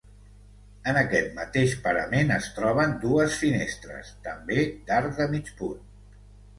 En aquest mateix parament es troben dues finestres, també d'arc de mig punt.